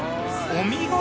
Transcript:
お見事！